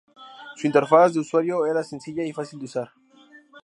Su interfaz de usuario era sencilla y fácil de usar.